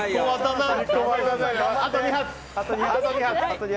あと２発！